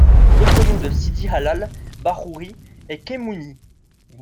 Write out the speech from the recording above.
L'autre nom de Sidi Allal Bahraoui est Kemouni.